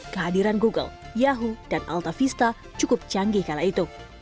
kehadiran google yahoo dan alta vista cukup canggih kala itu